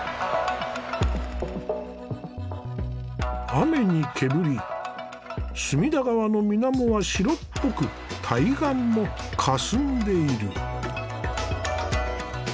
雨にけぶり隅田川の水面は白っぽく対岸もかすんでいる。